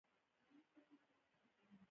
دوی د بودیزم مخالف وو